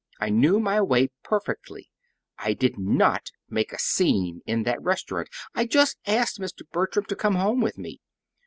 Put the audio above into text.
I knew my way perfectly, and I did NOT make any 'scene' in that restaurant. I just asked Mr. Bertram to come home with me.